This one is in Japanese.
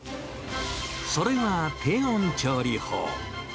それが低温調理法。